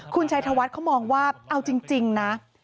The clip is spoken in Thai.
คุณชัยธวัฒน์เขามองว่าเอาจริงนะ